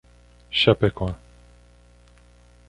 Chapecó